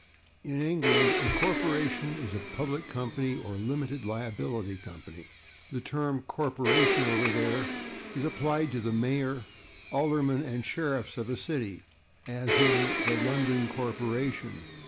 In England a corporation is a /public company/ or /limited liability company/. The term /corporation/, over there, is applied to the mayor, aldermen and sheriffs of a city, as in /the London corporation